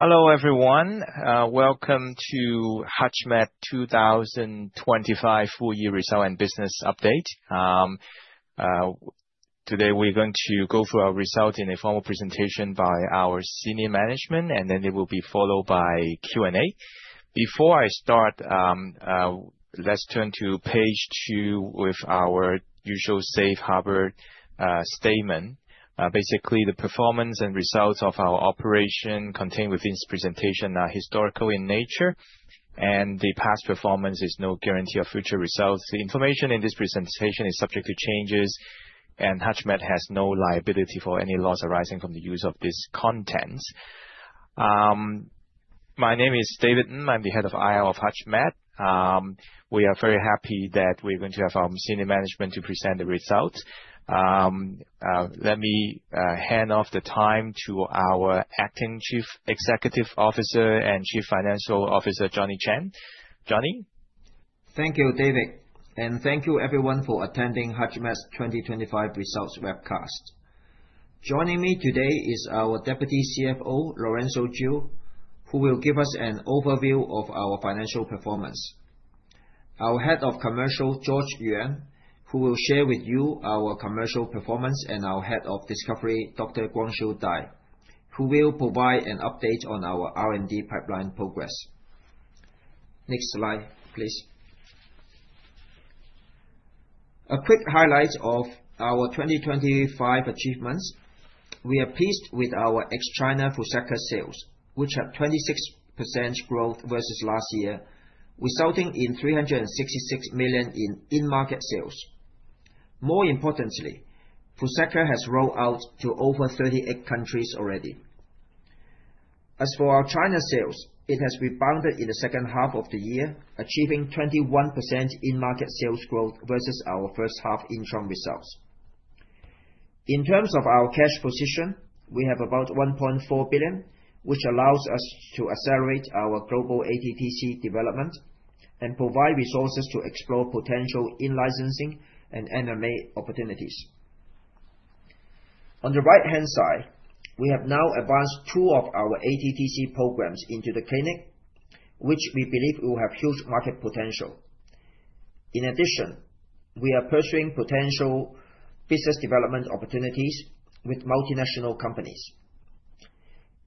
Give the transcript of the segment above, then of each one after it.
Hello everyone. Welcome to HUTCHMED 2025 full year result and business update. Today we're going to go through our results in a formal presentation by our senior management. It will be followed by Q&A. Before I start, let's turn to page two with our usual safe harbor statement. Basically, the performance and results of our operation contained within this presentation are historical in nature. The past performance is no guarantee of future results. The information in this presentation is subject to changes. HUTCHMED has no liability for any loss arising from the use of this content. My name is David Ng. I'm the head of IR of HUTCHMED. We are very happy that we're going to have our senior management to present the results. Let me hand off the time to our Acting Chief Executive Officer and Chief Financial Officer, Johnny Cheng. Johnny? Thank you, David, and thank you everyone for attending HUTCHMED's 2025 results webcast. Joining me today is our Deputy CFO, Lorenso Chiu, who will give us an overview of our financial performance. Our Head of Commercial, George Yuan, who will share with you our commercial performance, and our Head of Discovery, Dr. Guangxiu Dai, who will provide an update on our R&D pipeline progress. Next slide, please. A quick highlight of our 2025 achievements. We are pleased with our ex-China FRUZAQLA sales, which had 26% growth versus last year, resulting in $366 million in in-market sales. More importantly, FRUZAQLA has rolled out to over 38 countries already. As for our China sales, it has rebounded in the second half of the year, achieving 21% in-market sales growth versus our first half interim results. In terms of our cash position, we have about $1.4 billion, which allows us to accelerate our global ATTC development and provide resources to explore potential in-licensing and M&A opportunities. On the right-hand side, we have now advanced two of our ATTC programs into the clinic, which we believe will have huge market potential. In addition, we are pursuing potential business development opportunities with multinational companies.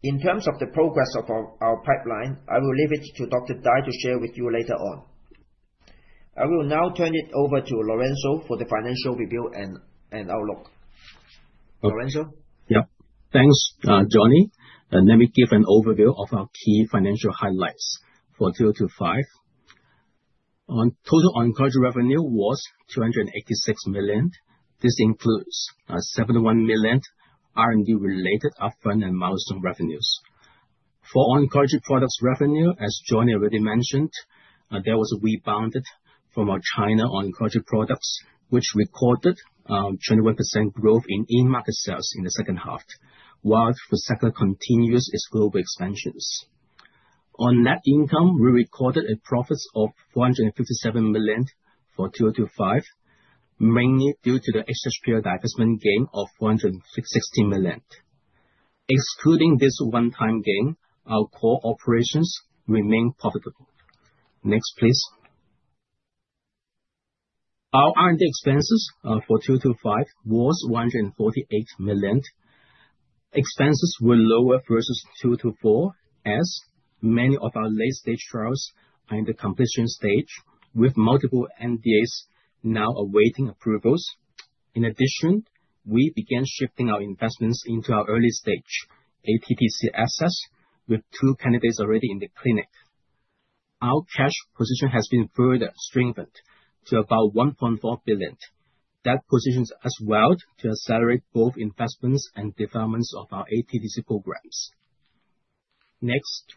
In terms of the progress of our pipeline, I will leave it to Dr. Dai to share with you later on. I will now turn it over to Lorenso for the financial review and outlook. Lorenso? Yeah. Thanks, Johnny. Let me give an overview of our key financial highlights for 2025. On total oncology revenue was $286 million. This includes $71 million R&D-related up front and milestone revenues. For oncology products revenue, as Johnny already mentioned, there was a rebound from our China oncology products, which recorded 21% growth in in-market sales in the second half, while FRUZAQLA continues its global expansions. On net income, we recorded a profits of $457 million for 2025, mainly due to the SHPL divestment gain of $160 million. Excluding this one-time gain, our core operations remain profitable. Next, please. Our R&D expenses for 2025 was $148 million. Expenses were lower versus 2024, as many of our late-stage trials are in the completion stage, with multiple NDAs now awaiting approvals. We began shifting our investments into our early-stage ATTC assets, with two candidates already in the clinic. Our cash position has been further strengthened to about $1.4 billion. That positions us well to accelerate both investments and developments of our ATTC programs. Next.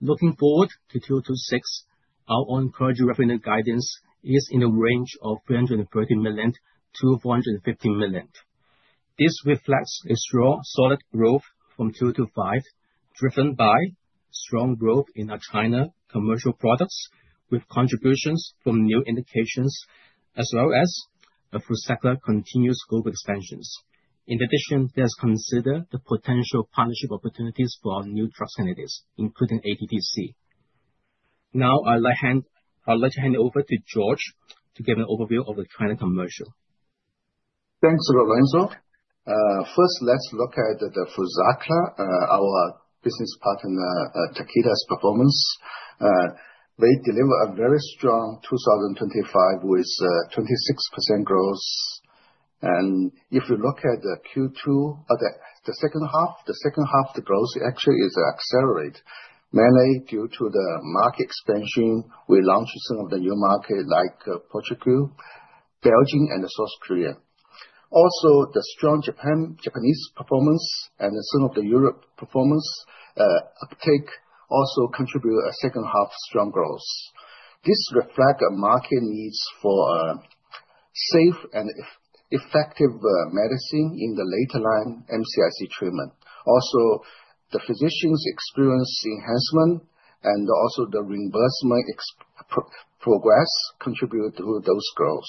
Looking forward to 2026, our oncology revenue guidance is in a range of $330 million-$450 million. This reflects a strong solid growth from 2025, driven by strong growth in our China commercial products, with contributions from new indications as well as the FRUZAQLA continuous global expansions. Let's consider the potential partnership opportunities for our new drug candidates, including ATTC. I'd like to hand over to George to give an overview of the China commercial. Thanks, Lorenso. First, let's look at FRUZAQLA, our business partner, Takeda's performance. They deliver a very strong 2025 with 26% growth. If you look at the Q2 or the second half, the second half of the growth actually is accelerate mainly due to the market expansion. We launched some of the new market like Portugal, Belgium and South Korea. Also, the strong Japanese performance and some of the Europe performance uptake also contribute a second half strong growth. This reflect a market needs for safe and effective medicine in the later line mCRC treatment. Also, the physicians' experience enhancement and also the reimbursement progress contribute to those growth.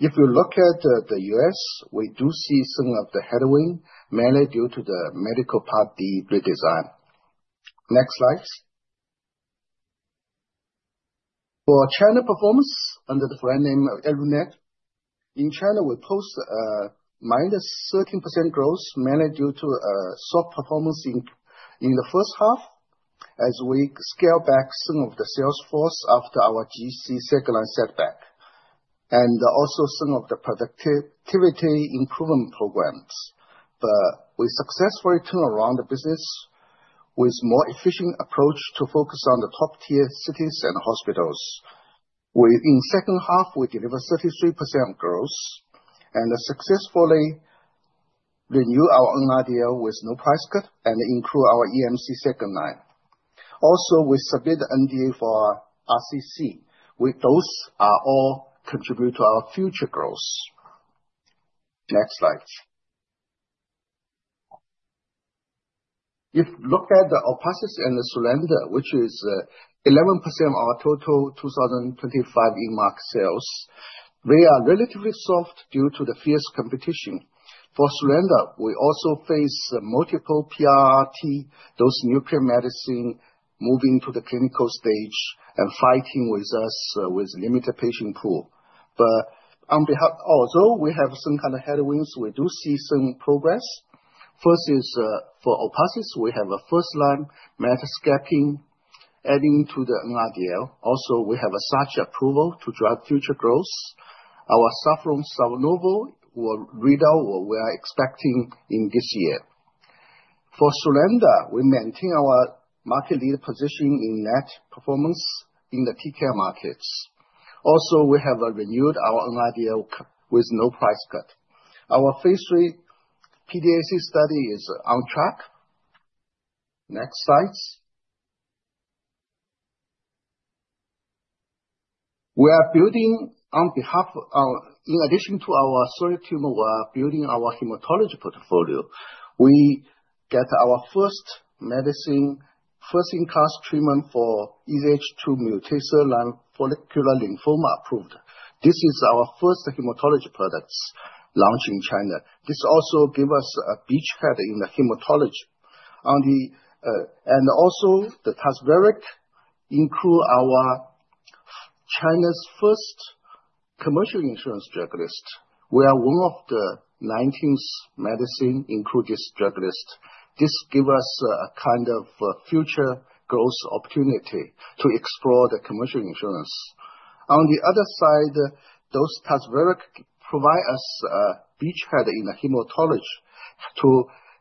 If you look at the U.S., we do see some of the headwind mainly due to the Medicare Part D redesign. Next slides. For China performance under the brand name of ELUNATE. In China, we post -13% growth mainly due to soft performance in the first half as we scale back some of the sales force after our GC second-line setback, and also some of the productivity improvement programs. We successfully turn around the business with more efficient approach to focus on the top-tier cities and hospitals, where in second half we deliver 33% growth and successfully renew our NRDL with no price cut and include our EMC second line. Also, we submit NDA for RCC with those, all contribute to our future growth. Next slide. If look at the ORPATHYS and the SULANDA, which is 11% of our total 2025 in-market sales, they are relatively soft due to the fierce competition. For SULANDA, we also face multiple PRRT, those nuclear medicine moving to the clinical stage and fighting with us with limited patient pool. Although we have some kind of headwinds, we do see some progress. First is, for ORPATHYS, we have a first-line METex14 adding to the NRDL. We have a such approval to drive future growth. Our SAFFRON/SANOVO will read out what we are expecting in this year. For SULANDA, we maintain our market leader position in net performance in the TKI markets. We have renewed our own NRDL with no price cut. Our phase III PDAC study is on track. Next slides. We are building on behalf of our in addition to our solid tumor, we are building our hematology portfolio. We get our first medicine, first-in-class treatment for EZH2 mutation and follicular lymphoma approved. This is our first hematology products launched in China. This also give us a beachhead in the hematology. On the TAZVERIK include our China's first commercial insurance drug list, where one of the 19 medicine included this drug list. This give us a kind of future growth opportunity to explore the commercial insurance. On the other side, those TAZVERIK provide us a beachhead in the hematology. To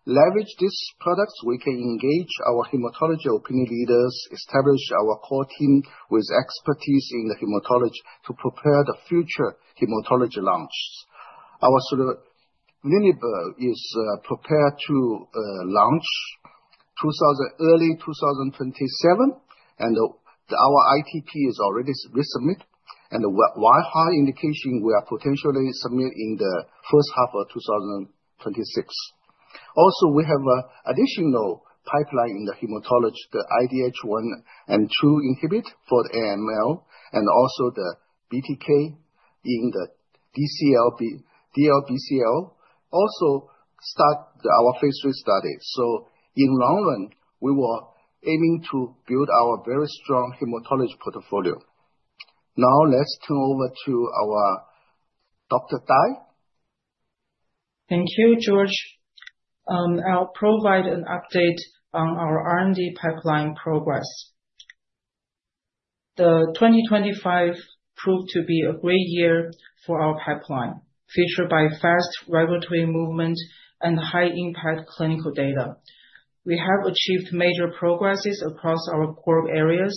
leverage these products, we can engage our hematology opinion leaders, establish our core team with expertise in the hematology to prepare the future hematology launch. Our sovleplenib is prepared to launch early 2027. Our ITP is already resubmit. The wAIHA indication, we are potentially submit in the first half of 2026. Also, we have additional pipeline in the hematology, the IDH1 and 2 inhibit for the AML and also the BTK in the DLBCL also start our phase III study. In long run, we are aiming to build our very strong hematology portfolio. Now let's turn over to our Dr. Dai. Thank you, George. I'll provide an update on our R&D pipeline progress. The 2025 proved to be a great year for our pipeline, featured by fast regulatory movement and high impact clinical data. We have achieved major progresses across our core areas,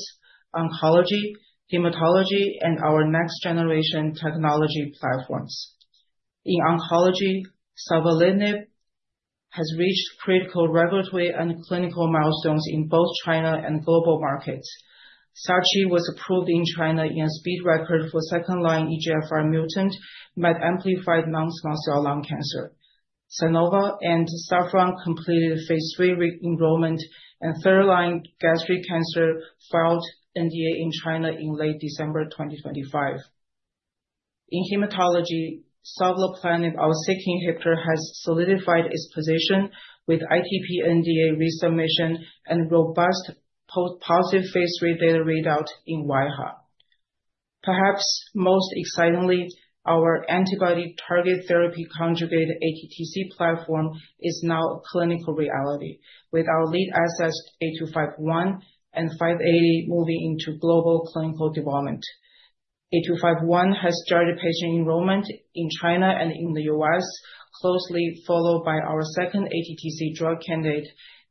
oncology, hematology, and our next generation technology platforms. In oncology, savolitinib has reached critical regulatory and clinical milestones in both China and global markets. SACHI was approved in China in a speed record for second line EGFR mutant MET amplified non-small cell lung cancer. SANOVO and SAFFRON completed phase III re-enrollment and third line gastric cancer filed NDA in China in late December 2025. In hematology, sovleplenib, our Syk inhibitor, has solidified its position with ITP NDA resubmission and robust post positive phase III data readout in wAIHA. Perhaps most excitingly, our antibody therapy conjugate ATTC platform is now a clinical reality, with our lead assets A251 and A580 moving into global clinical development. A251 has started patient enrollment in China and in the U.S., closely followed by our second ATTC drug candidate,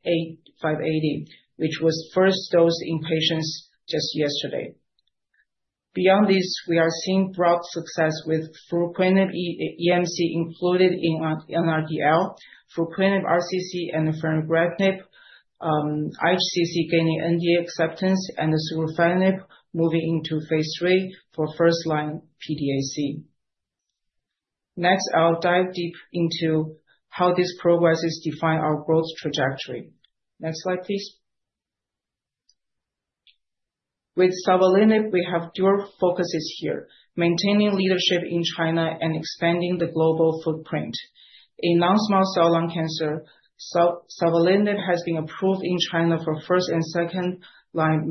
A580, which was first dosed in patients just yesterday. Beyond this, we are seeing broad success with fruquintinib EMC included in NRDL, fruquintinib RCC and fanregratinib IHCC gaining NDA acceptance, and surufatinib moving into phase III for first-line PDAC. Next, I'll dive deep into how these progresses define our growth trajectory. Next slide, please. With savolitinib, we have dual focuses here, maintaining leadership in China and expanding the global footprint. In non-small cell lung cancer, savolitinib has been approved in China for first- and second-line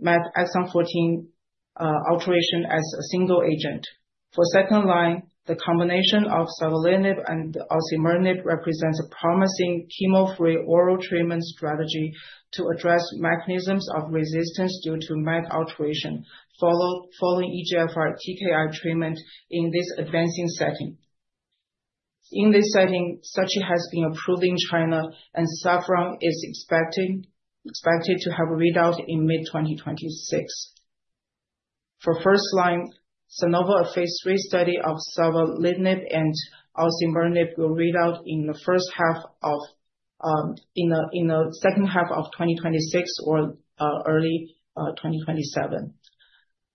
METex14 alteration as a single agent. For second line, the combination of savolitinib and osimertinib represents a promising chemo-free oral treatment strategy to address mechanisms of resistance due to MET alteration following EGFR TKI treatment in this advancing setting. In this setting, SACHI has been approved in China and SAFFRON is expected to have a readout in May 2026. For first line, SANOVO, a phase III study of savolitinib and osimertinib will read out in the first half of in the second half of 2026 or early 2027.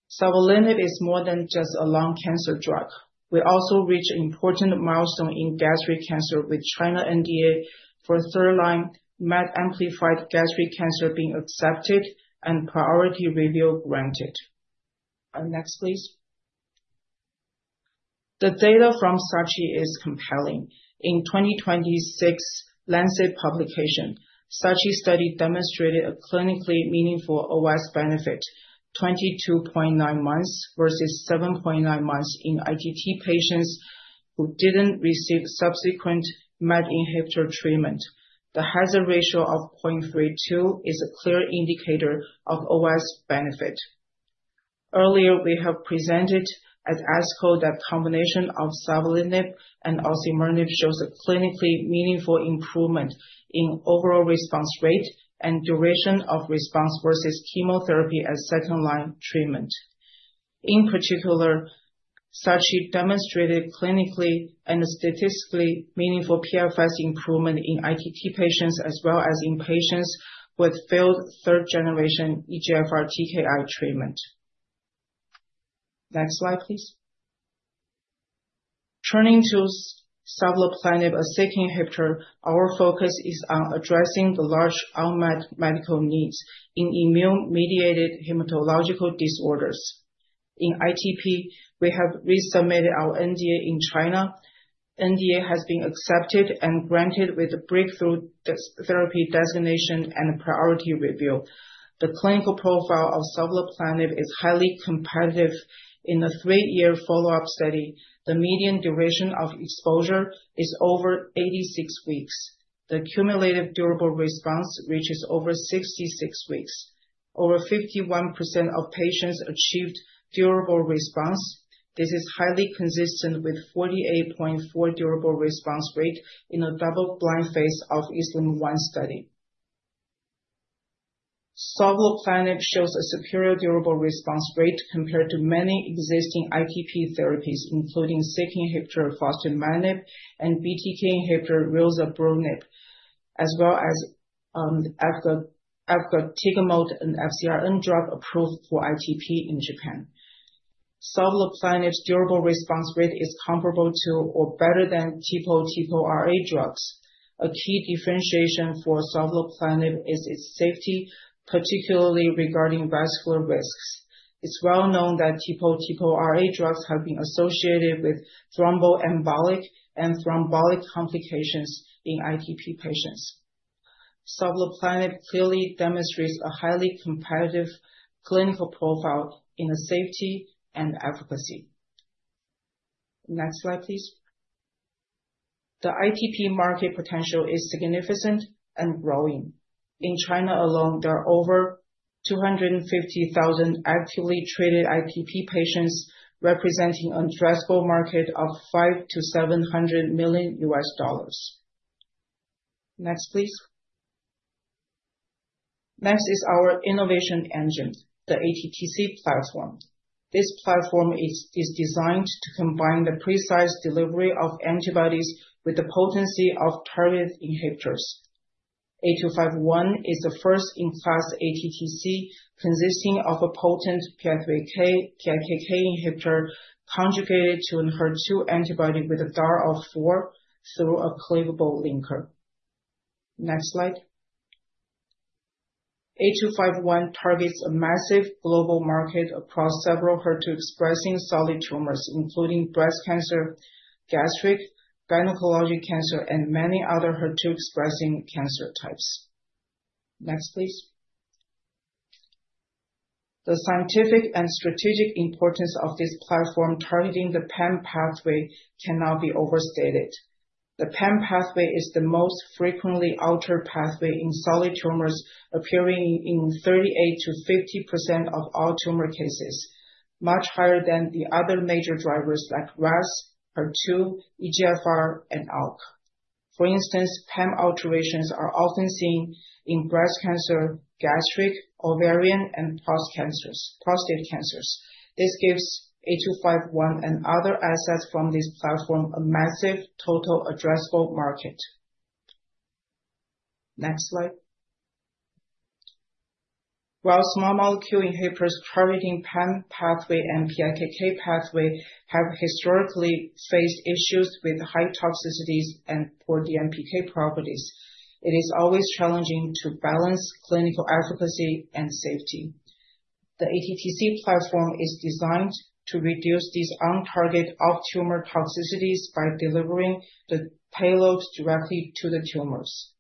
Savolitinib is more than just a lung cancer drug. We also reached an important milestone in gastric cancer with China NDA for third line MET-amplified gastric cancer being accepted and priority review granted. Next, please. The data from SACHI is compelling. In 2026 The Lancet publication, SACHI study demonstrated a clinically meaningful OS benefit, 22.9 months versus 7.9 months in ITT patients who didn't receive subsequent MET inhibitor treatment. The hazard ratio of 0.32 is a clear indicator of OS benefit. Earlier, we have presented at ASCO that combination of savolitinib and osimertinib shows a clinically meaningful improvement in overall response rate and duration of response versus chemotherapy as second-line treatment. In particular, SACHI demonstrated clinically and statistically meaningful PFS improvement in ITT patients as well as in patients with failed third-generation EGFR TKI treatment. Next slide, please. Turning to sovleplenib, a second inhibitor, our focus is on addressing the large unmet medical needs in immune-mediated hematological disorders. In ITP, we have resubmitted our NDA in China. NDA has been accepted and granted with a breakthrough therapy designation and priority review. The clinical profile of sovleplenib is highly competitive. In the three-year follow-up study, the median duration of exposure is over 86 weeks. The cumulative durable response reaches over 66 weeks. Over 51% of patients achieved durable response. This is highly consistent with 48.4% durable response rate in a double-blind phase of ESLIM-01 study. Sovleplenib shows a superior durable response rate compared to many existing ITP therapies, including second inhibitor fostamatinib and BTK inhibitor rilzabrutinib, as well as efgartigimod, an FcRn drug approved for ITP in Japan. Sovleplenib's durable response rate is comparable to or better than TPO/TPO-RA drugs. A key differentiation for sovleplenib is its safety, particularly regarding vascular risks. It's well known that TPO/TPO-RA drugs have been associated with thromboembolic and thrombolic complications in ITP patients. Sovleplenib clearly demonstrates a highly competitive clinical profile in the safety and efficacy. Next slide, please. The ITP market potential is significant and growing. In China alone, there are over 250,000 actively treated ITP patients, representing addressable market of $500 million-$700 million. Next, please. Next is our innovation engine, the ATTC platform. This platform is designed to combine the precise delivery of antibodies with the potency of targeted inhibitors. A251 is the first-in-class ATTC consisting of a potent PI3K/PIKK inhibitor conjugated to an HER2 antibody with a DAR of 4 through a cleavable linker. Next slide. A251 targets a massive global market across several HER2-expressing solid tumors, including breast cancer, gastric, gynecologic cancer, and many other HER2-expressing cancer types. Next, please. The scientific and strategic importance of this platform targeting the PAM pathway cannot be overstated. The PAM pathway is the most frequently altered pathway in solid tumors, appearing in 38%-50% of all tumor cases, much higher than the other major drivers like RAS, HER2, EGFR, and ALK. For instance, PAM alterations are often seen in breast cancer, gastric, ovarian, and prostate cancers. This gives A251 and other assets from this platform a massive total addressable market. Next slide. While small molecule inhibitors targeting PAM pathway and PIKK pathway have historically faced issues with high toxicities and poor DMPK properties. It is always challenging to balance clinical efficacy and safety. The ATTC platform is designed to reduce these on-target off-tumor toxicities by delivering the payload directly to the tumors.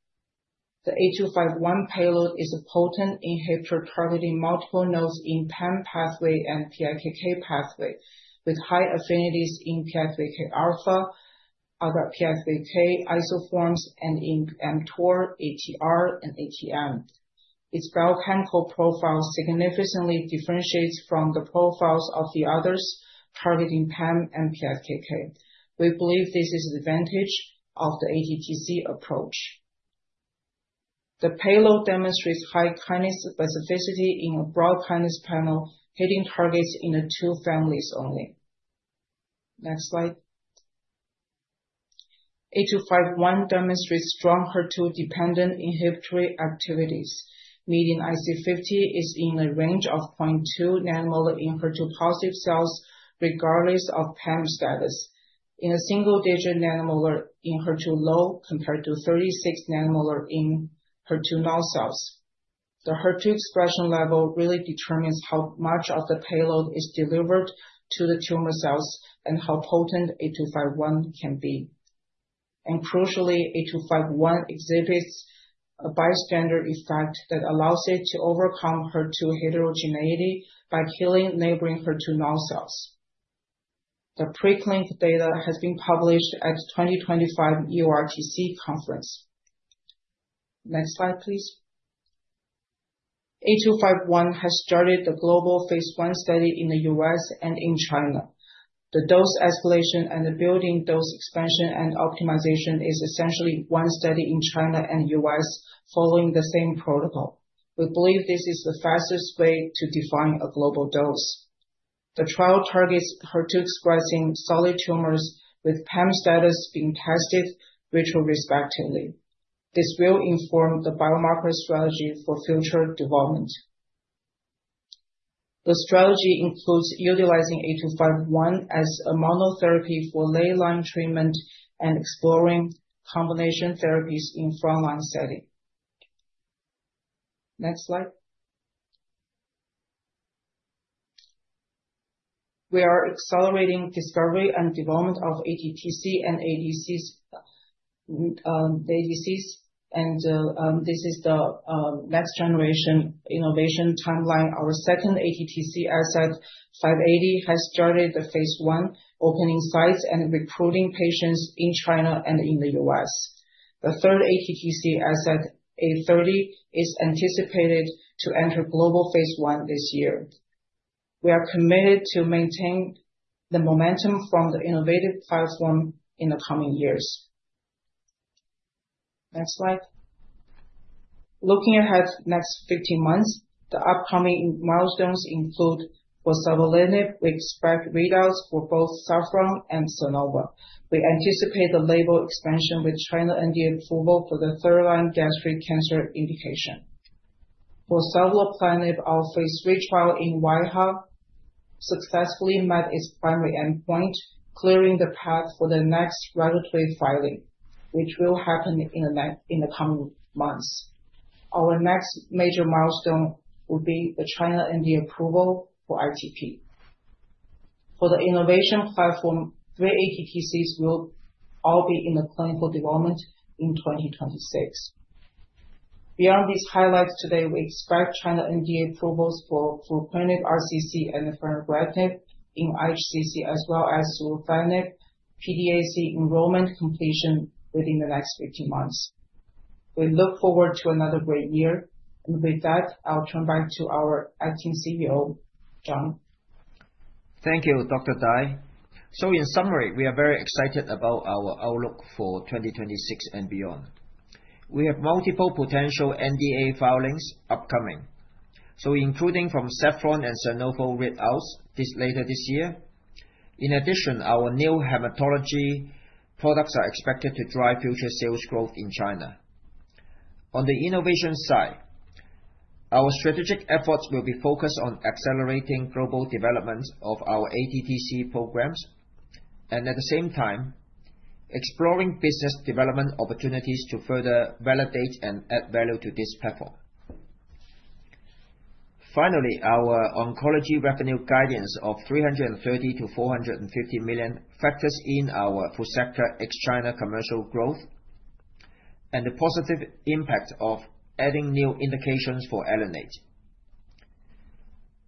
The A251 payload is a potent inhibitor targeting multiple nodes in PAM pathway and PI3K pathway, with high affinities in PI3Kα, other PI3K isoforms, and in mTOR, ATR, and ATM. Its biochemical profile significantly differentiates from the profiles of the others targeting PAM and PI3K. We believe this is an advantage of the ATTC approach. The payload demonstrates high kinase specificity in a broad kinase panel, hitting targets in the two families only. Next slide. A251 demonstrates strong HER2-dependent inhibitory activities, meeting IC50s in the range of 0.2 nanomolar in HER2-positive cells, regardless of PAM status, in a single-digit nanomolar in HER2 low compared to 36 nanomolar in HER2 null cells. The HER2 expression level really determines how much of the payload is delivered to the tumor cells, and how potent A251 can be. Crucially, A251 exhibits a bystander effect that allows it to overcome HER2 heterogeneity by killing neighboring HER2 null cells. The preclinical data has been published at the 2025 EORTC conference. Next slide, please. A251 has started the global phase I study in the U.S. and in China. The dose escalation and the building dose expansion and optimization is essentially one study in China and U.S. following the same protocol. We believe this is the fastest way to define a global dose. The trial targets HER2 expressing solid tumors with PAM status being tested virtual respectively. This will inform the biomarker strategy for future development. The strategy includes utilizing A251 as a monotherapy for later-line treatment and exploring combination therapies in frontline setting. Next slide. We are accelerating discovery and development of ATTC and ADCs, this is the next-generation innovation timeline. Our second ATTC asset, A580, has started the phase I, opening sites and recruiting patients in China and in the U.S. The third ATTC asset, A830, is anticipated to enter global phase I this year. We are committed to maintain the momentum from the innovative platform in the coming years. Next slide. Looking ahead next 15 months, the upcoming milestones include for savolitinib, we expect readouts for both SAFFRON and SANOVO. We anticipate the label expansion with China NDA approval for the third line gastric cancer indication. For savolitinib, our phase III trial in wAIHA successfully met its primary endpoint, clearing the path for the next regulatory filing, which will happen in the coming months. Our next major milestone will be the China NDA approval for ITP. For the innovation platform, three ATTCs will all be in the clinical development in 2026. Beyond these highlights today, we expect China NDA approvals for fruquintinib RCC and fanregratinib in IHCC, as well as surufatinib PDAC enrollment completion within the next 15 months. We look forward to another great year. With that, I'll turn back to our acting CEO, John. Thank you, Dr. Dai. In summary, we are very excited about our outlook for 2026 and beyond. We have multiple potential NDA filings upcoming, including from SAFFRON and SANOVO readouts later this year. In addition, our new hematology products are expected to drive future sales growth in China. On the innovation side, our strategic efforts will be focused on accelerating global development of our ATTC programs. At the same time, exploring business development opportunities to further validate and add value to this platform. Finally, our oncology revenue guidance of $330 million-$450 million factors in our FRUZAQLA ex-China commercial growth and the positive impact of adding new indications for ELUNATE.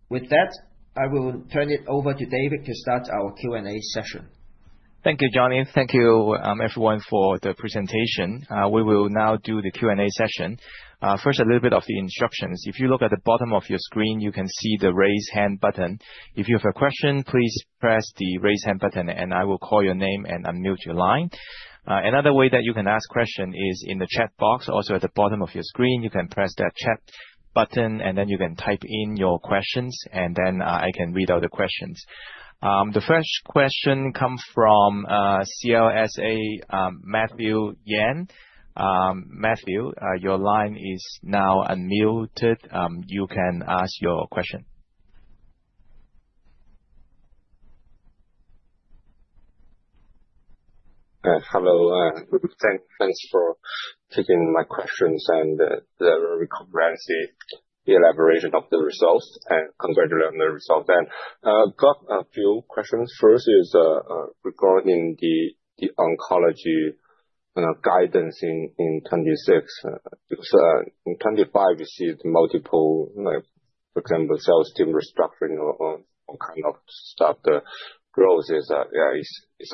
With that, I will turn it over to David to start our Q&A session. Thank you, Johnny. Thank you, everyone for the presentation. We will now do the Q&A session. First a little bit of the instructions. If you look at the bottom of your screen, you can see the Raise Hand button. If you have a question, please press the Raise Hand button, and I will call your name and unmute your line. Another way that you can ask question is in the chat box. Also, at the bottom of your screen, you can press that chat button, and then you can type in your questions, and then I can read out the questions. The first question come from CLSA, Matthew Yan. Matthew, your line is now unmuted. You can ask your question. Hello. Thanks for taking my questions and the comprehensive elaboration of the results. Congratulate on the result then. Got a few questions. First is regarding the oncology, you know, guidance in 2026. Because in 2025 you see the multiple, you know, for example, sales team restructuring or kind of stuff. The growth is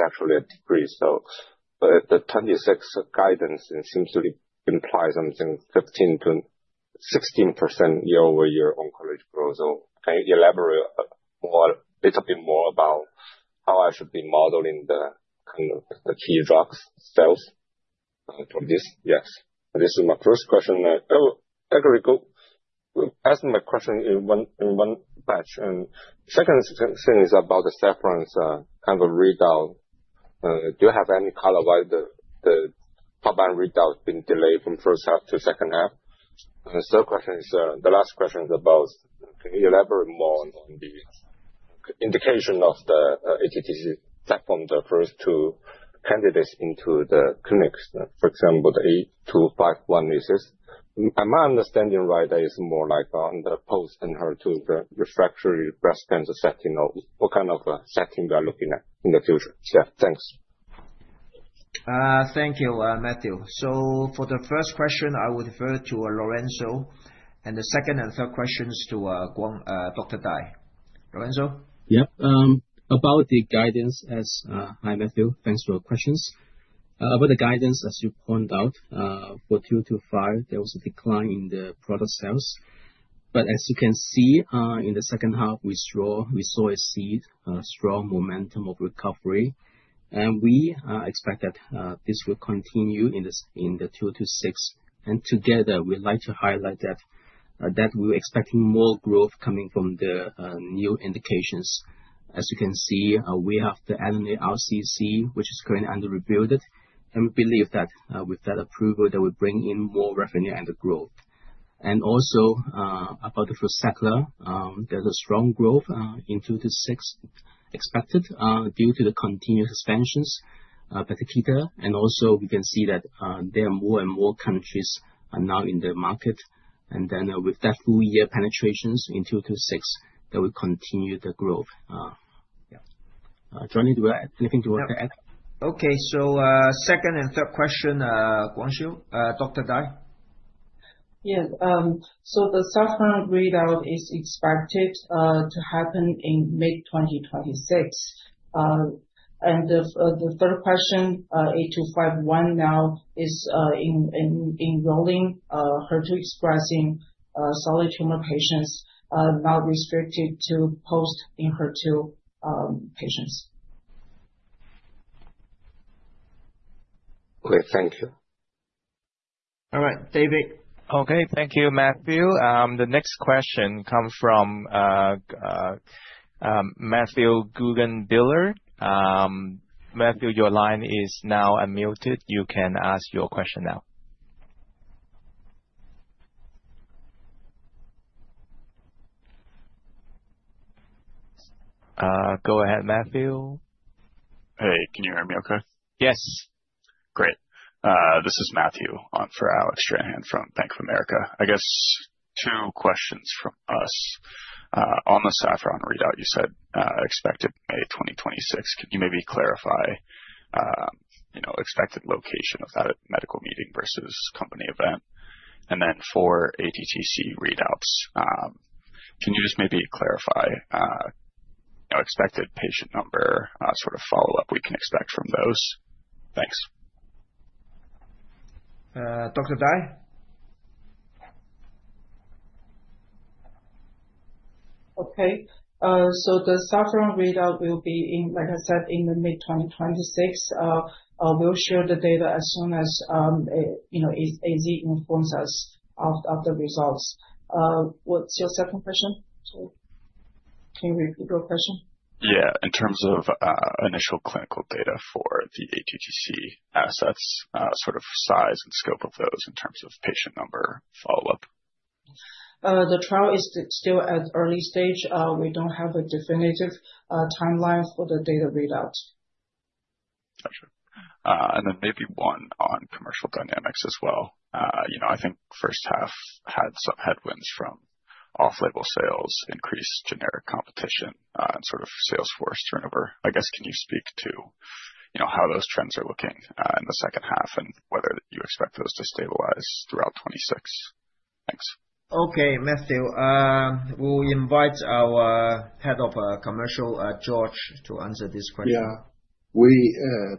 actually a decrease. The 2026 guidance, it seems to be imply something 15%-16% year-over-year oncology growth. Can you elaborate a bit more, little bit more about how I should be modeling the kind of the key drugs sales from this? Yes. This is my first question. I will aggregate, ask my question in one batch. Second thing is about the SAFFRON's kind of readout. Do you have any color why the top line readout has been delayed from first half to second half? The third question is, the last question is about can you elaborate more on the indication of the ATTC platform, the first two candidates into the clinics, for example, the A251 uses. Am I understanding right that it's more like on the post in HER2, the refractory breast cancer setting or what kind of a setting we are looking at in the future? Thanks. Thank you, Matthew. For the first question, I would refer to Lorenso, and the second and third questions to, Guang, Dr. Dai. Lorenso? Yep. about the guidance as. Hi, Matthew. Thanks for your questions. about the guidance, as you pointed out, for 2025, there was a decline in the product sales. As you can see, in the second half, we saw a seed strong momentum of recovery. We expect that this will continue in the 2026. Together we'd like to highlight that we're expecting more growth coming from the new indications. As you can see, we have the NDA RCC, which is currently under reviewed. We believe that with that approval that will bring in more revenue under growth. Also, about the FRUZAQLA, there's a strong growth in 2026 expected due to the continued expansions, particularly. Also, we can see that there are more and more countries now in the market. With that full year penetrations in 2026, they will continue the growth. Yes. Johnny, do you have anything to add? Okay. second and third question, Guangxiu, Dr. Dai? Yes. The SAFFRON readout is expected to happen in mid 2026. The third question, A251 now is enrolling HER2 expressing solid tumor patients, now restricted to post in HER2 patients. Great. Thank you. All right. David? Okay. Thank you, Matthew. The next question comes from Matthew Guggenbiller. Matthew, your line is now unmuted. You can ask your question now. Go ahead, Matthew. Hey, can you hear me okay? Yes. Great. This is Matthew on for Alec Stranahan from Bank of America. I guess two questions from us. On the SAFFRON readout, you said, expected May 2026. Could you maybe clarify, you know, expected location of that medical meeting versus company event? For ATTC readouts, can you just maybe clarify, you know, expected patient number, sort of follow-up we can expect from those? Thanks. Dr. Dai? Okay. The SAFFRON readout will be in, like I said, in the mid-2026. We'll share the data as soon as, you know, AZ informs us of the results. What's your second question? Sorry. Can you repeat your question? Yeah. In terms of initial clinical data for the ATTC assets, sort of size and scope of those in terms of patient number follow-up. The trial is still at early stage. We don't have a definitive timeline for the data readouts. Gotcha. Maybe one on commercial dynamics as well. You know, I think first half had some headwinds from off-label sales, increased generic competition, and sort of sales force turnover. I guess, can you speak to, you know, how those trends are looking in the second half and whether you expect those to stabilize throughout 2026? Thanks. Okay. Matthew, we'll invite our Head of Commercial, George, to answer this question. Yeah. We,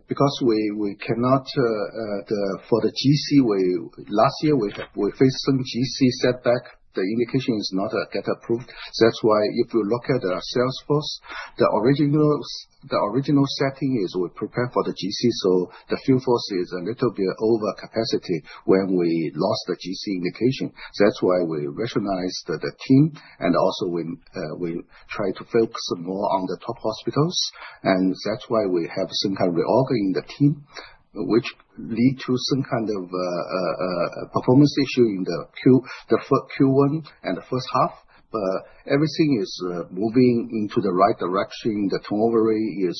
because we cannot, the, for the GC, last year, we faced some GC setback. The indication is not get approved. That's why if you look at our sales force, the original setting is we prepare for the GC, so the field force is a little bit over capacity when we lost the GC indication. That's why we rationalize the team and also when we try to focus more on the top hospitals. That's why we have some kind of reorg in the team, which lead to some kind of performance issue in the Q1 and the first half. Everything is moving into the right direction. The turnover rate is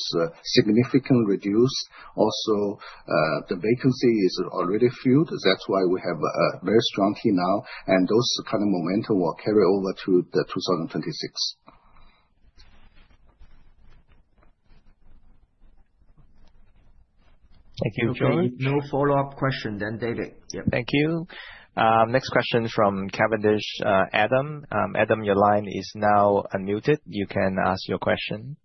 significantly reduced. Also, the vacancy is already filled. That's why we have a very strong team now, and those kind of momentum will carry over to 2026. Thank you, George. Okay. No follow-up question, David. Yeah. Thank you. Next question from Cavendish, Adam. Adam, your line is now unmuted. You can ask your question.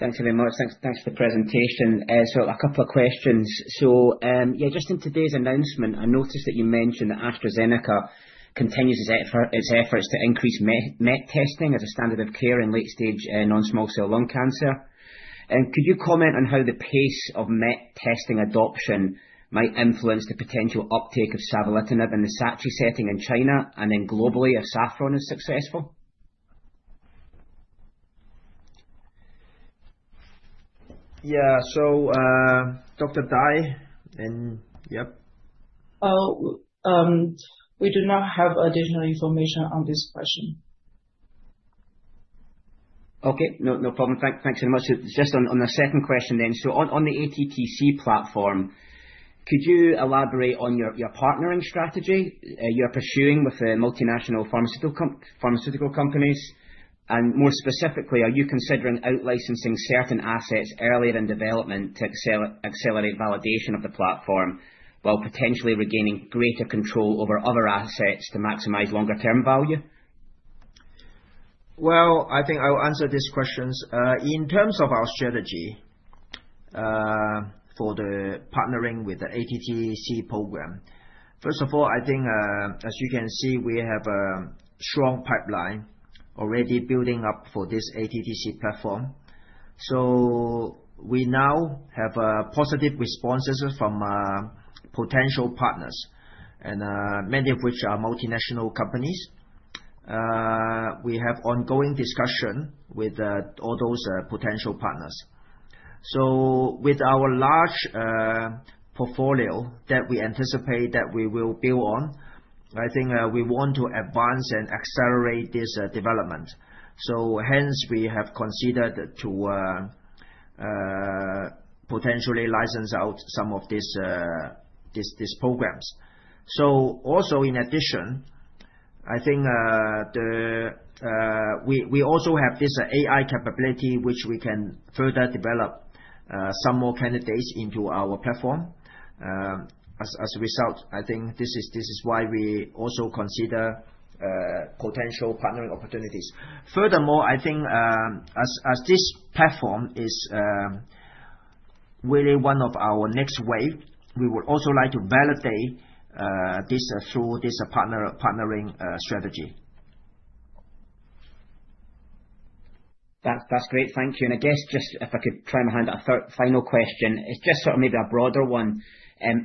Thanks very much. Thanks, thanks for the presentation. A couple of questions. Just in today's announcement, I noticed that you mentioned that AstraZeneca continues its effort, its efforts to increase MET testing as a standard of care in late stage non-small cell lung cancer. Could you comment on how the pace of MET testing adoption might influence the potential uptake of savolitinib in the SACHI setting in China, and then globally if SAFFRON is successful? Yeah. Dr. Dai, and yep. Oh, we do not have additional information on this question. Okay. No, no problem. Thanks very much. Just on a second question. On the ATTC platform, could you elaborate on your partnering strategy, you're pursuing with the multinational pharmaceutical companies? More specifically, are you considering out-licensing certain assets earlier in development to accelerate validation of the platform while potentially regaining greater control over other assets to maximize longer term value? Well, I think I will answer these questions. In terms of our strategy for the partnering with the ATTC program. First of all, I think, as you can see, we have a strong pipeline already building up for this ATTC platform. We now have positive responses from potential partners, and many of which are multinational companies. We have ongoing discussion with all those potential partners. With our large portfolio that we anticipate that we will build on, I think, we want to advance and accelerate this development. Hence, we have considered to potentially license out some of these programs. Also in addition, I think, we also have this AI capability, which we can further develop some more candidates into our platform as a result. I think this is why we also consider potential partnering opportunities. Furthermore, I think, as this platform is really one of our next wave, we would also like to validate this through this partnering strategy. That's great. Thank you. I guess just if I could try my hand at a third, final question. It's just sort of maybe a broader one.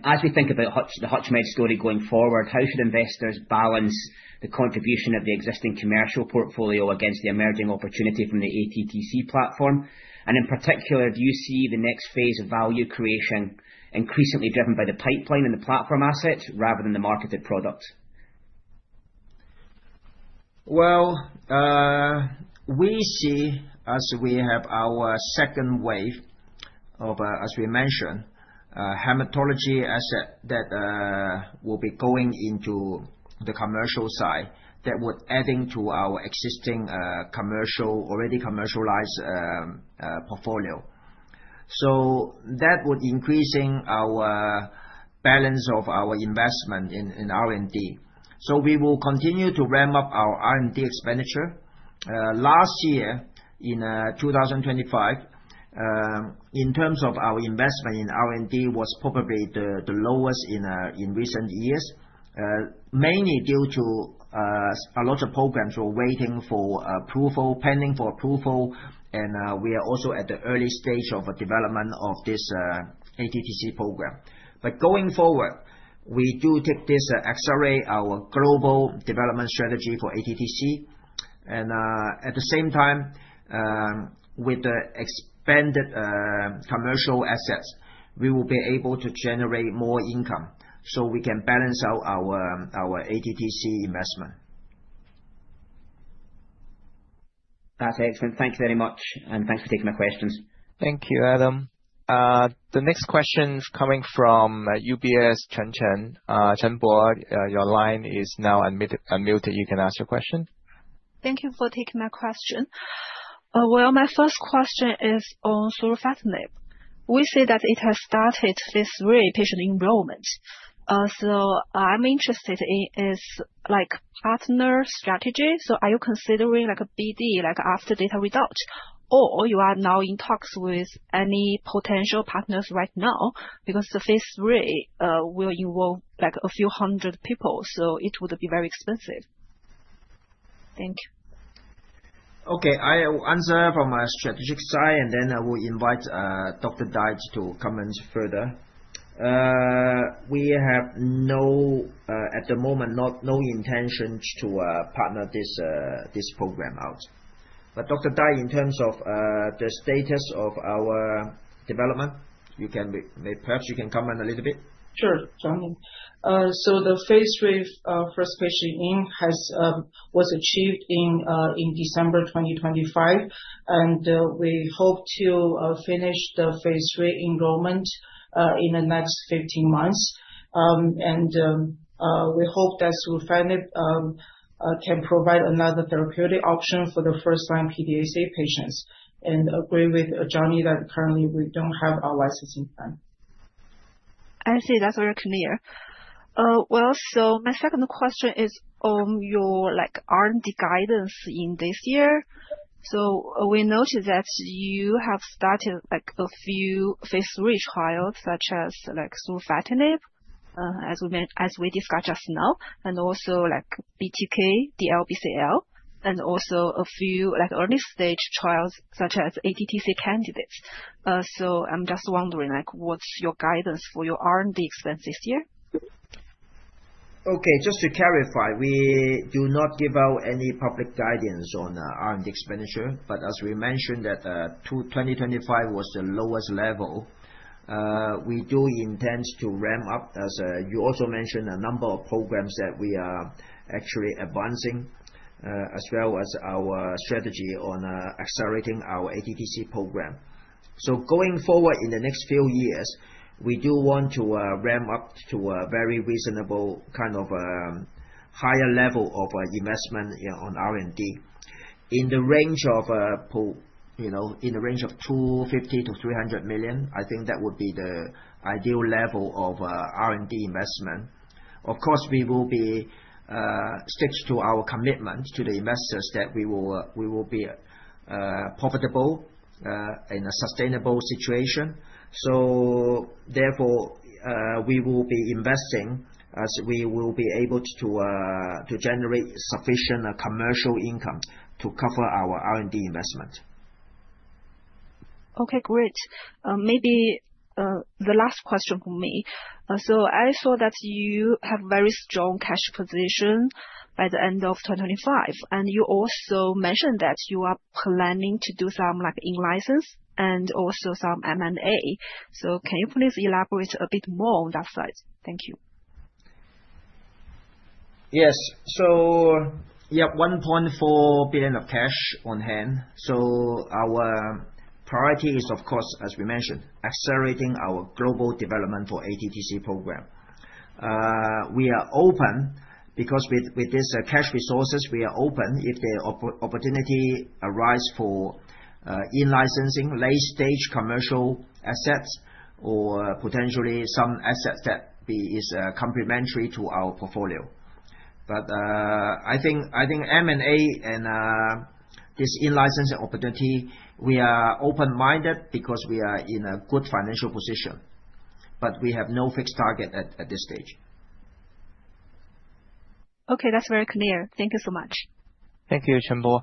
As we think about the HUTCHMED story going forward, how should investors balance the contribution of the existing commercial portfolio against the emerging opportunity from the ATTC platform? In particular, do you see the next phase of value creation increasingly driven by the pipeline and the platform assets rather than the marketed product? Well, we see as we have our second wave of as we mentioned hematology asset that will be going into the commercial side that would adding to our existing already commercialized portfolio. That would increasing our balance of our investment in R&D. We will continue to ramp up our R&D expenditure. Last year in 2025, in terms of our investment in R&D was probably the lowest in recent years, mainly due to a lot of programs were waiting for approval, pending for approval. We are also at the early stage of development of this ATTC program. Going forward, we do take this accelerate our global development strategy for ATTC. At the same time, with the expanded commercial assets, we will be able to generate more income so we can balance out our ATTC investment. That's excellent. Thank you very much, and thanks for taking my questions. Thank you, Adam. The next question is coming from UBS, Chen Chen. Chen Bo, your line is now unmuted. You can ask your question. Thank you for taking my question. Well, my first question is on surufatinib. We see that it has started this patient enrollment. I'm interested in is like partner strategy. Are you considering like a BD, like after data result? You are now in talks with any potential partners right now? The phase III will enroll like a few hundred people, so it would be very expensive. Thank you. Okay. I will answer from a strategic side. Then I will invite Dr. Dai to comment further. We have no... at the moment, no intentions to partner this program out. Dr. Dai, in terms of the status of our development, perhaps you can comment a little bit. Sure, Johnny. The phase III first patient in has was achieved in December 2025, we hope to finish the phase III enrollment in the next 15 months. We hope that surufatinib can provide another therapeutic option for the first time PDAC patients. Agree with Johnny that currently we don't have a licensing plan. I see. That's very clear. Well, my second question is on your, like, R&D guidance in this year. We noticed that you have started, like, a few phase III trials such as, like, surufatinib, as we discussed just now. Also, like BTK, DLBCL, and also a few, like, early-stage trials such as ATTC candidates. I'm just wondering, like, what's your guidance for your R&D expense this year? Okay, just to clarify, we do not give out any public guidance on R&D expenditure. But as we mentioned that 2025 was the lowest level. We do intend to ramp up, as you also mentioned a number of programs that we are actually advancing, as well as our strategy on accelerating our ATTC program. Going forward, in the next few years, we do want to ramp up to a very reasonable kind of a higher level of investment on R&D. In the range of, you know, in the range of $250 million-$300 million, I think that would be the ideal level of R&D investment. Of course, we will be stick to our commitment to the investors that we will be profitable in a sustainable situation. Therefore, we will be investing as we will be able to generate sufficient commercial income to cover our R&D investment. Okay, great. maybe, the last question from me. I saw that you have very strong cash position by the end of 2025, and you also mentioned that you are planning to do some, like, in-license and also some M&A. Can you please elaborate a bit more on that side? Thank you. Yes. We have $1.4 billion of cash on hand. Our priority is of course, as we mentioned, accelerating our global development for ATTC program. We are open because with this cash resources, we are open if the opportunity arise for in-licensing late-stage commercial assets or potentially some assets that is complementary to our portfolio. I think, I think M&A and this in-license opportunity, we are open-minded because we are in a good financial position, but we have no fixed target at this stage. Okay. That's very clear. Thank you so much. Thank you, Chen Bo.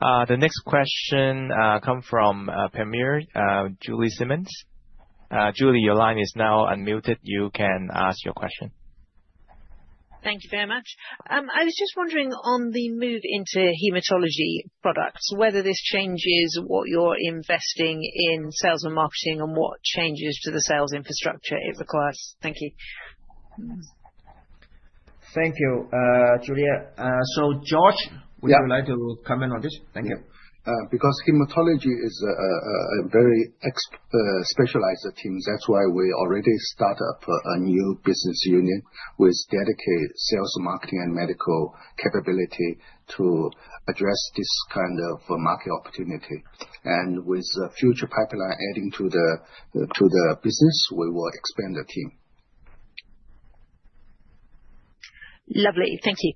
The next question, come from, Panmure, Julie Simmonds. Julie, your line is now unmuted. You can ask your question. Thank you very much. I was just wondering on the move into hematology products, whether this changes what you're investing in sales and marketing and what changes to the sales infrastructure it requires. Thank you. Thank you, Julie. George. Yeah. Would you like to comment on this? Thank you. Because hematology is a very specialized team, that's why we already start up a new business unit with dedicated sales, marketing, and medical capability to address this kind of market opportunity. With the future pipeline adding to the business, we will expand the team. Lovely. Thank you.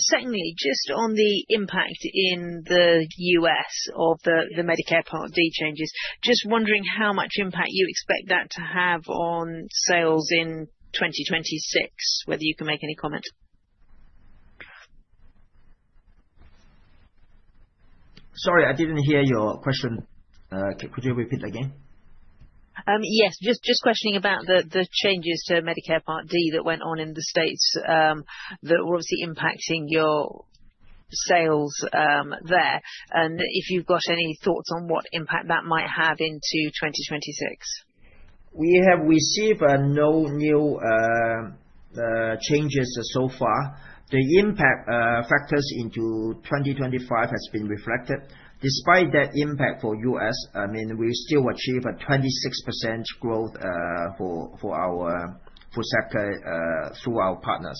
Secondly, just on the impact in the U.S. of the Medicare Part D changes, just wondering how much impact you expect that to have on sales in 2026, whether you can make any comment? Sorry, I didn't hear your question. Could you repeat again? Yes. Just questioning about the changes to Medicare Part D that went on in the States, that were obviously impacting your sales, there. If you've got any thoughts on what impact that might have into 2026. We have received no new changes so far. The impact factors into 2025 has been reflected. Despite that impact for U.S., I mean, we still achieve a 26% growth for our FRUZAQLA through our partners.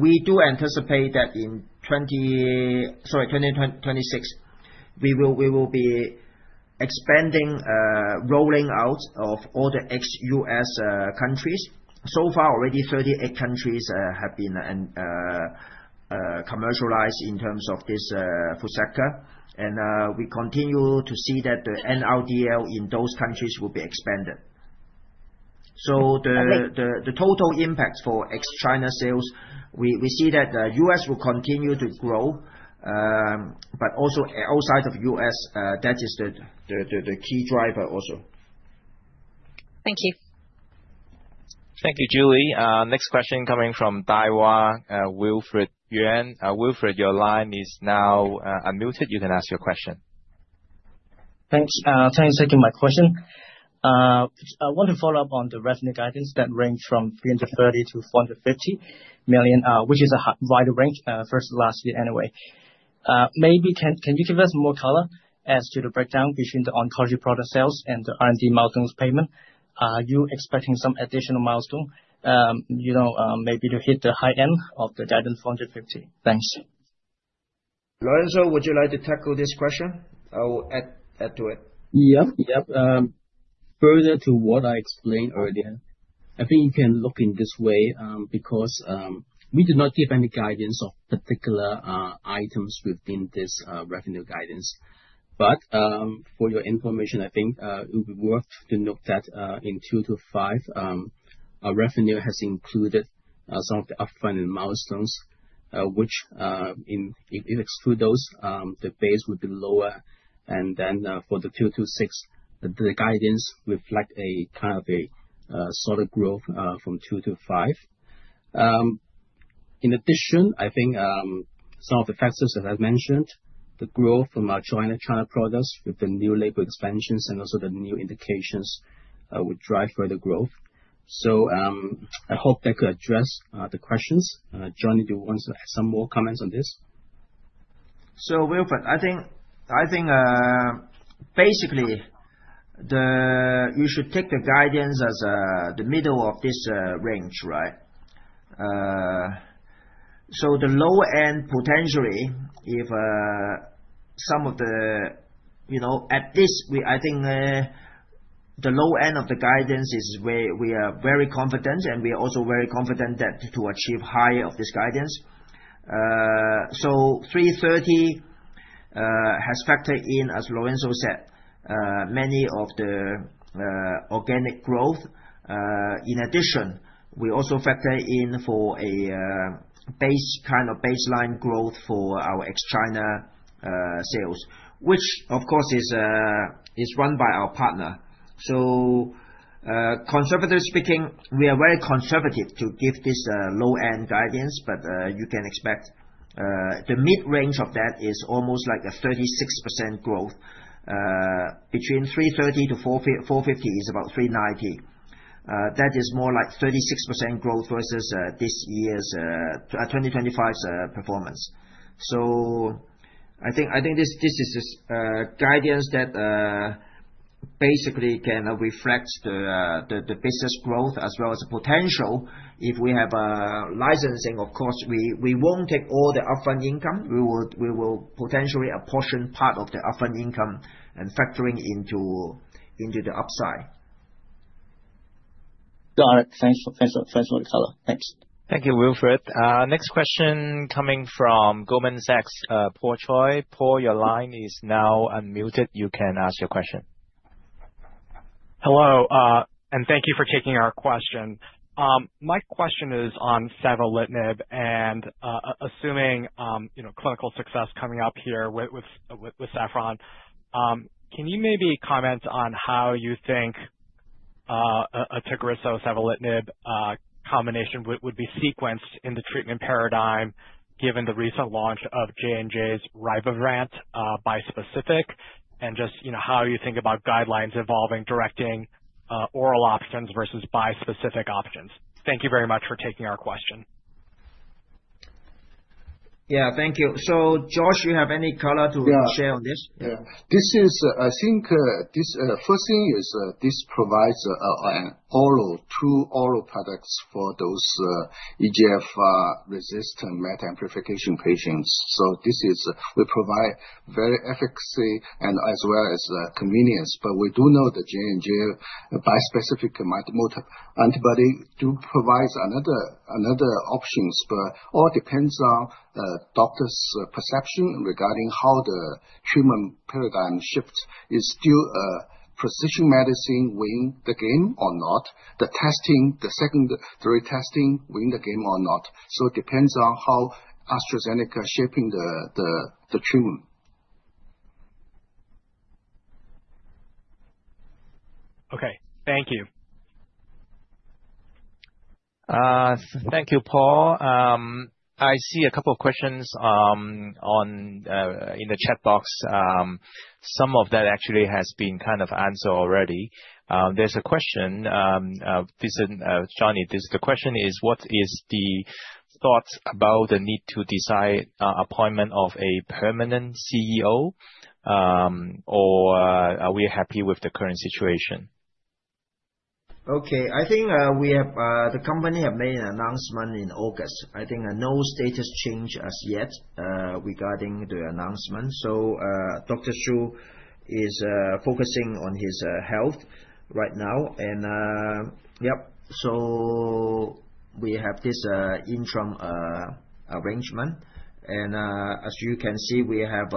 We do anticipate that in 2026, we will be expanding, rolling out of all the ex-U.S. countries. So far, already 38 countries have been commercialized in terms of this FRUZAQLA. We continue to see that the NRDL in those countries will be expanded. Okay. The total impact for ex-China sales, we see that, U.S. will continue to grow, but also outside of U.S., that is the key driver also. Thank you. Thank you, Julie. Next question coming from Daiwa, Wilfred Yuen. Wilfred, your line is now unmuted. You can ask your question. Thanks. Thanks for taking my question. I want to follow up on the revenue guidance that range from $330 million-$450 million, which is a wider range, first to last year anyway. Maybe can you give us more color as to the breakdown between the oncology product sales and the R&D milestones payment? Are you expecting some additional milestone, you know, maybe to hit the high end of the guidance $450? Thanks. Lorenso, would you like to tackle this question? I will add to it. Yep. Further to what I explained earlier, I think you can look in this way, because we do not give any guidance of particular items within this revenue guidance. For your information, I think it would be worth to note that in 2025, our revenue has included some of the upfront and milestones, which, if you exclude those, the base would be lower. For the 2026, the guidance reflect a kind of a solid growth from 2025. In addition, I think some of the factors that I've mentioned, the growth from our China trial products with the new label expansions and also the new indications, will drive further growth. I hope that could address the questions. Johnny, do you want to add some more comments on this? Wilfred, I think, basically, you should take the guidance as the middle of this range, right? The low end potentially if some of the, you know, at this I think the low end of the guidance is where we are very confident, and we are also very confident that to achieve higher of this guidance. $330 has factored in, as Lorenso said, many of the organic growth. In addition, we also factor in for a base, kind of baseline growth for our ex China sales, which of course is run by our partner. Conservative speaking, we are very conservative to give this low-end guidance. You can expect the mid-range of that is almost like a 36% growth between $330 million to $450 million is about $390 million. That is more like 36% growth versus this year's 2025's performance. I think this is guidance that basically can reflect the business growth as well as the potential. If we have licensing, of course we won't take all the upfront income. We will potentially apportion part of the upfront income and factoring into the upside. Got it. Thanks for the color. Thanks. Thank you, Wilfred. next question coming from Goldman Sachs, Paul Choi. Paul, your line is now unmuted. You can ask your question. Hello. Thank you for taking our question. My question is on savolitinib assuming, you know, clinical success coming up here with SAFFRON. Can you maybe comment on how you think a TAGRISSO savolitinib combination would be sequenced in the treatment paradigm given the recent launch of J&J's RYBREVANT bispecific? Just, you know, how you think about guidelines involving directing oral options versus bispecific options. Thank you very much for taking our question. Yeah, thank you. George, you have any color to share on this? Yeah. I think this first thing is this provides an oral, two oral products for those EGF resistant MET amplification patients. This is, we provide very efficacy and as well as convenience. We do know the J&J bispecific monoclonal antibody do provides another options. All depends on doctor's perception regarding how the treatment paradigm shifts. Is still precision medicine winning the game or not? The testing, the second, third testing win the game or not? It depends on how AstraZeneca shaping the treatment. Okay. Thank you. Thank you, Paul. I see a couple of questions on in the chat box. Some of that actually has been kind of answered already. There's a question, this is Johnny. The question is, what is the thoughts about the need to decide appointment of a permanent CEO, or are we happy with the current situation? Okay. I think we have the company have made an announcement in August. I think no status change as yet regarding the announcement. Dr. Su is focusing on his health right now and yep. We have this interim arrangement and as you can see, we have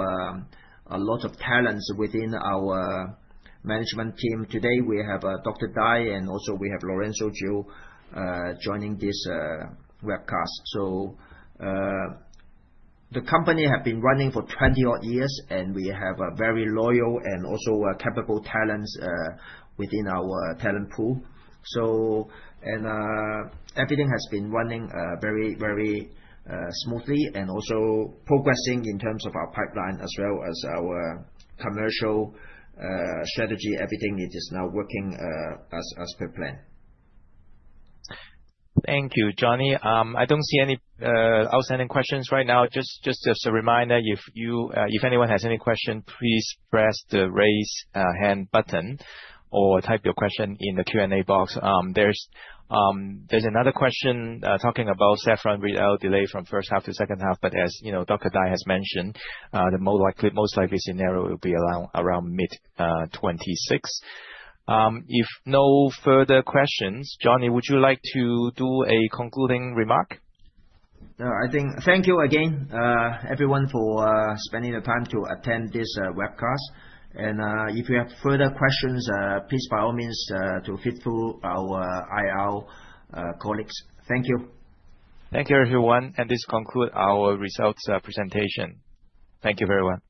a lot of talents within our management team. Today, we have Dr. Dai and also we have Lorenso Chiu joining this webcast. The company have been running for 20 odd years, and we have a very loyal and also capable talents within our talent pool. Everything has been running very, very smoothly and also progressing in terms of our pipeline as well as our commercial strategy. Everything it is now working as per plan. Thank you, Johnny. I don't see any outstanding questions right now. Just as a reminder, if anyone has any question, please press the raise hand button or type your question in the Q&A box. There's another question talking about SAFFRON read-out delay from first half to second half. As you know, Dr. Dai has mentioned the most likely scenario will be around mid-2026. If no further questions, Johnny, would you like to do a concluding remark? I think thank you again, everyone for spending the time to attend this webcast. If you have further questions, please, by all means, to feed through our IR colleagues. Thank you. Thank you, everyone. This concludes our results, presentation. Thank you very much.